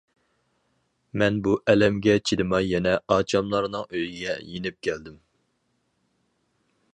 مەن بۇ ئەلەمگە چىدىماي يەنە ئاچاملارنىڭ ئۆيىگە يېنىپ كەلدىم.